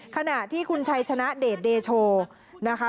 ขณะที่คุณชัยชนะเดชเดโชนะคะ